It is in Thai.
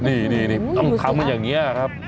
นี่ต้องทำกันอย่างนี้ครับ